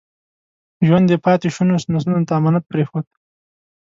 ژوند یې پاتې شونو نسلونو ته امانت پرېښود.